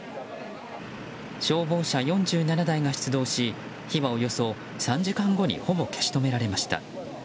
消防車４７台が出動し火はおよそ３時間後にほぼ消し止められました。